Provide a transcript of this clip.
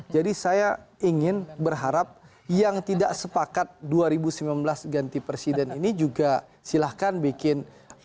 jadi saya ingin berharap yang tidak sepakat dua ribu sembilan belas ganti presiden ini juga silahkan bikin